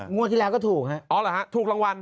งวดที่แล้วก็ถูกสิร์ฟสวัสดิ์